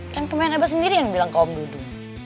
kan kemarin abah sendiri yang bilang ke om dudu